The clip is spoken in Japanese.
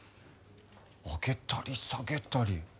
上げたり下げたり。